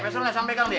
besar besar pegang deh